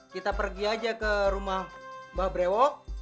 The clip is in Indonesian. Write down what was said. kita pergi aja ke rumah mbah brewo